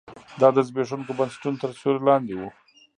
دا د زبېښونکو بنسټونو تر سیوري لاندې و.